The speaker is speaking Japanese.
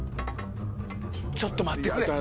ちょっと待ってくれ。